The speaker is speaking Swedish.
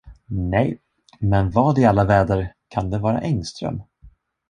Nej, men vad i alla väder, kan det vara Engström.